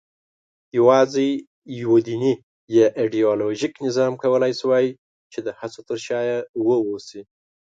یواځې یوه دیني یا ایدیالوژیک نظام کولای شوای د هڅو تر شا واوسي.